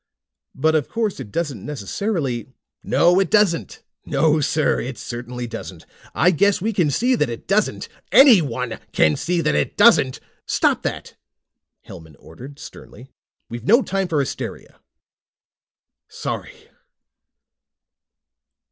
But, of course, it doesn't necessarily " "No, it doesn't. No, sir, it certainly doesn't. I guess we can see that it doesn't. Anyone can see that it doesn't " "Stop that," Hellman ordered sternly. "We've no time for hysteria." "Sorry."